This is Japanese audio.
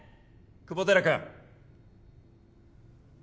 久保寺君。